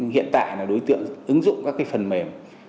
hiện tại là đối tượng ứng dụng các phần mềm